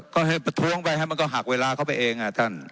ก็ให้ประท้วงไปให้มันก็หักเวลาเข้าไปเองท่าน